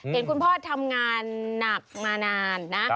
เห็นคุณพ่อทำงานหนักมานานนะ